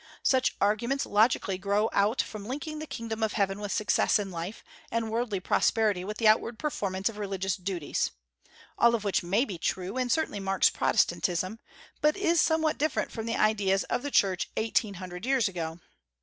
Such arguments logically grow out from linking the kingdom of heaven with success in life, and worldly prosperity with the outward performance of religious duties, all of which may be true, and certainly marks Protestantism, but is somewhat different from the ideas of the Church eighteen hundred years ago.